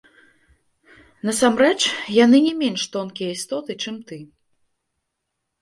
Насамрэч яны не менш тонкія істоты, чым ты.